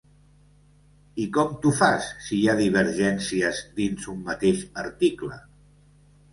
I com t’ho fas, si hi ha divergències dins un mateix article?